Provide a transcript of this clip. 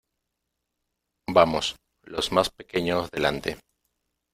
Vamos, los más pequeños delante.